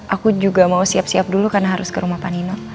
aku juga mau siap siap dulu karena harus ke rumah panino